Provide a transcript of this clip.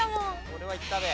これはいったね。